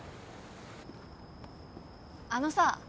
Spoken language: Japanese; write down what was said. あのさ。